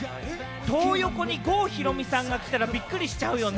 トー横に郷ひろみさんが来たらびっくりしちゃうよね。